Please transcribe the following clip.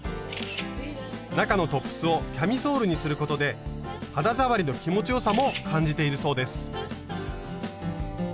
中のトップスをキャミソールにすることで肌触りの気持ちよさも感じているそうです。